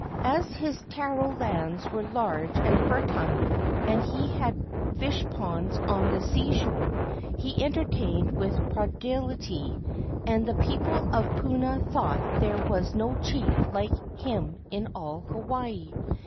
As his taro lands were large and fertile and he had fish ponds on the seashore, he entertained with prodigality, and the people of Puna thought there was no chief like him in all Hawaii.